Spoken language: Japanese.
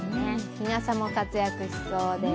日傘も活躍しそうです。